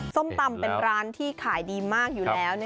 ส้มตำเป็นร้านที่ขายดีมากอยู่แล้ว